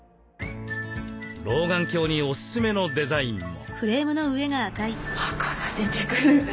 老眼鏡にお勧めのデザインも。